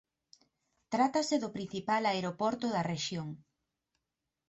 Trátase do principal aeroporto da rexión.